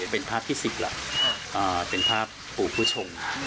เป็นภาพที่ศิกระเป็นภาพปู่ภูชง